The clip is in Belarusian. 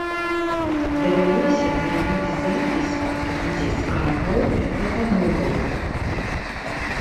Давялося зрабіць запіс у кнізе скаргаў і прапановаў.